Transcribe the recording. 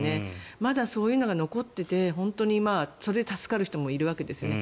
まだそういうのが残っててそれで助かる方もいるわけですよね。